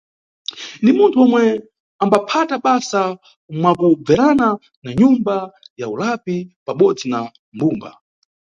Ni munthu omwe ambaphata basa mwakubverana na nyumba ya ulapi pabodzi na mbumba.